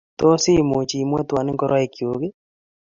Tos imuch imweton ngoroik chuk ii?